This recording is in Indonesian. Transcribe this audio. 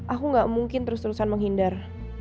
aku gak mungkin terus terusan menghindar